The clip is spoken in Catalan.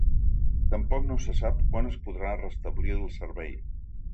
Tampoc no se sap quan es podrà restablir el servei.